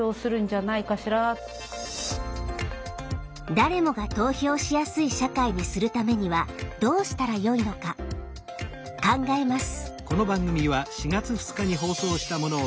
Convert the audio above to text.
誰もが投票しやすい社会にするためにはどうしたらよいのか考えます。